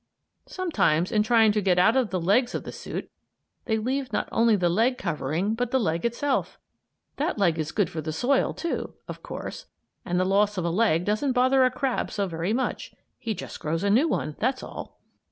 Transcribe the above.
Sometimes, in trying to get out of the legs of the suit, they leave not only the leg covering but the leg itself. That leg is good for the soil, too, of course, and the loss of a leg doesn't bother a crab so very much. He just grows a new one, that's all!